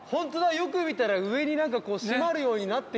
よく見たら上に何か閉まるようになってる。